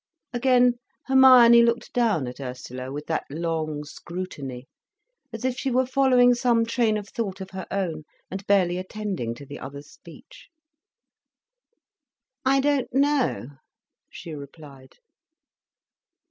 Again Hermione looked down at Ursula with that long scrutiny, as if she were following some train of thought of her own, and barely attending to the other's speech. "I don't know," she replied.